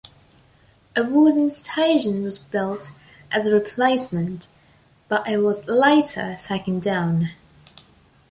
A wooden station was built as a replacement, but it was later taken down.